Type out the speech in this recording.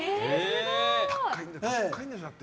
高いんでしょ？だって。